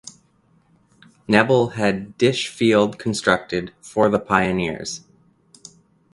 Knebel had Disch Field constructed for the Pioneers.